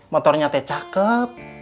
motor nyate cakep